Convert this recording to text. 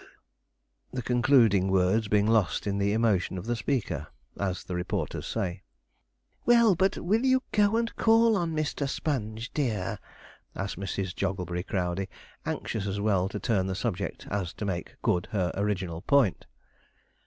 The concluding words being lost in the emotion of the speaker (as the reporters say). 'Well, but will you go and call on Mr. Sponge, dear?' asked Mrs. Jogglebury Crowdey, anxious as well to turn the subject as to make good her original point.